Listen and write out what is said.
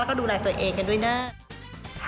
แล้วก็ดูแลตัวเองกันด้วยนะ